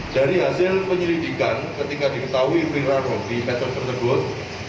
dari hasil penyelidikan ketika diketahui viral di metode tersebut